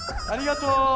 ありがとう！